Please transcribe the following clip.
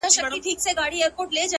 ورته شعرونه وايم،